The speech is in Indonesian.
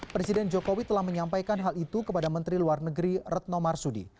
presiden jokowi telah menyampaikan hal itu kepada menteri luar negeri retno marsudi